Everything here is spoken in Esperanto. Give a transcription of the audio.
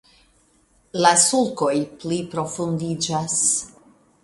La sulkoj pliprofundiĝas.